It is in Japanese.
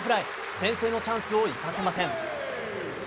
先制のチャンスを生かせません。